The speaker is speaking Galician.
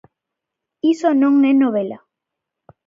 Iso non é novela.